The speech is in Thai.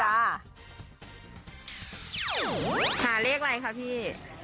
ค่ะเลขอะไรค่ะพี่